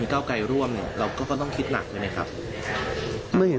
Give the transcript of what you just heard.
มีเก้าไกรร่วมเราก็ต้องคิดหนักเลยเหรอคะ